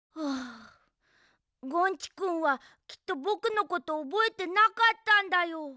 あゴンチくんはきっとぼくのことおぼえてなかったんだよ。